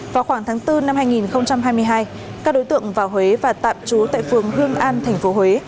vào khoảng tháng bốn năm hai nghìn hai mươi hai các đối tượng vào huế và tạm trú tại phường hương an tp huế